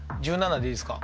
１７でいいですか？